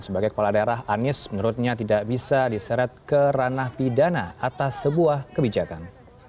sebagai kepala daerah anies menurutnya tidak bisa diseret ke ranah pidana atas sebuah kebijakan